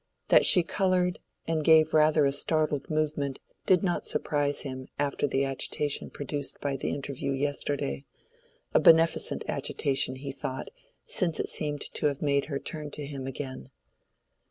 That she colored and gave rather a startled movement did not surprise him after the agitation produced by the interview yesterday—a beneficent agitation, he thought, since it seemed to have made her turn to him again.